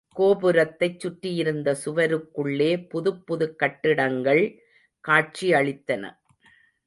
கோபுரத்தைச் சுற்றியிருந்த சுவருக்குள்ளே புதுப்புதுக் கட்டிடங்கள் காட்சியளித்தன.